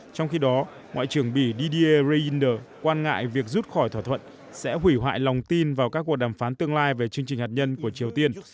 trong khi đó ngoại trưởng bỉ dr inder quan ngại việc rút khỏi thỏa thuận sẽ hủy hoại lòng tin vào các cuộc đàm phán tương lai về chương trình hạt nhân của triều tiên